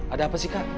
ada apa sih kak